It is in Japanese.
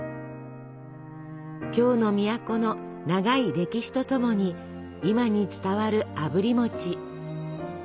京の都の長い歴史とともに今に伝わるあぶり餅。